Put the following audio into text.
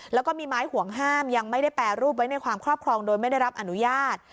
แล้วก็มีไม้ห่วงห้ามยังไม่ได้แปรรูปไว้ในความครอบครองโดยไม่ได้รับอนุญาต